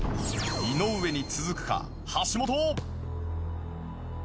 井上に続くか橋本！